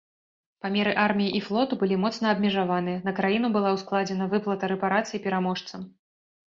Памеры арміі і флоту былі моцна абмежаваныя, на краіну была ўскладзена выплата рэпарацый пераможцам.